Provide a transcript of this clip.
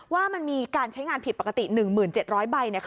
ว่ามันมีการใช้งานผิดปกติ๑๗๐๐ใบ